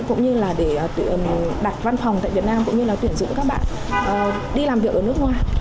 cũng như là để đặt văn phòng tại việt nam cũng như là tuyển dụng các bạn đi làm việc ở nước ngoài